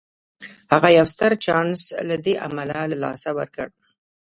هغه يو ستر چانس له دې امله له لاسه ورکړ.